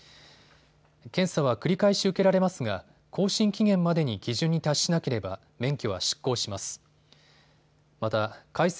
検査は繰り返し受けられますが更新期限までに基準に達しなければ免許は失効します。